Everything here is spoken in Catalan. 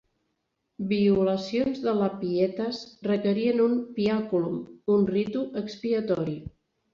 Violacions de la "pietas" requerien un "piaculum", un ritu expiatori.